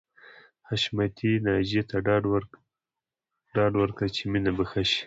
حشمتي ناجیې ته ډاډ ورکړ چې مينه به ښه شي